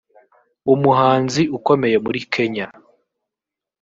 umuhanzi ukomeye muri Kenya